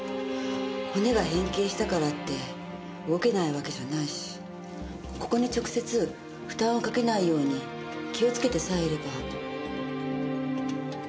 骨が変形したからって動けないわけじゃないしここに直接負担をかけないように気をつけてさえいれば。